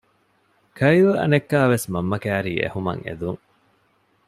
ކައިލް އަނެއްކާވެސް މަންމަ ކައިރީ އެހުމަށް އެދުން